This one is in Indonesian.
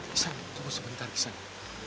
kisana tunggu sebentar kisana